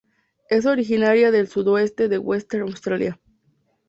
Es originaria del sudoeste de Western Australia.